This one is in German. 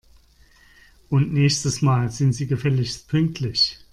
Und nächstes Mal sind Sie gefälligst pünktlich!